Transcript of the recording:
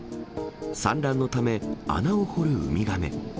産卵のため、穴を掘るウミガメ。